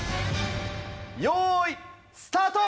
よいスタート！